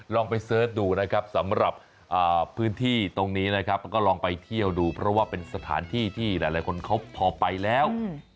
ลองไปเสิร์ชดูนะครับสำหรับพื้นที่ตรงนี้นะครับก็ลองไปเที่ยวดูเพราะว่าเป็นสถานที่ที่หลายคนเขาพอไปแล้ว